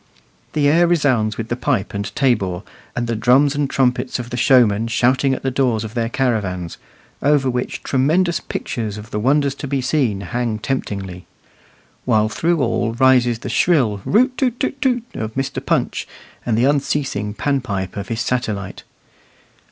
The air resounds with the pipe and tabor, and the drums and trumpets of the showmen shouting at the doors of their caravans, over which tremendous pictures of the wonders to be seen within hang temptingly; while through all rises the shrill "root too too too" of Mr. Punch, and the unceasing pan pipe of his satellite.